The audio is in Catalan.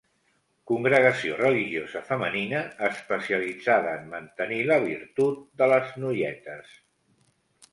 Congregació religiosa femenina especialitzada en mantenir la virtut de les noietes.